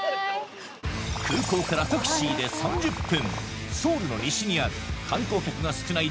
空港からタクシーで３０分